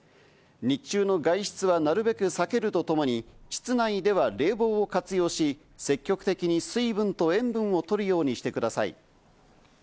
日中の外出はなるべく避けるとともに、室内では冷房を活用し、積極的に水分と塩分を取るようにしてください。